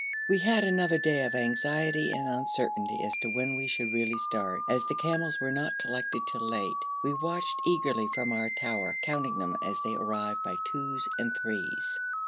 We had another day of anxiety and uncertainty as to when we should really start, as the camels were not collected till late. We watched eagerly from our tower, counting them as they arrived by twos and threes.